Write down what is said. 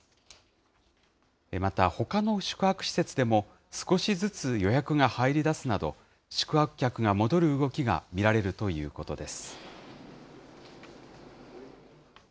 また、ほかの宿泊施設でも、少しずつ予約が入りだすなど、宿泊客が戻る動きが見られるということです。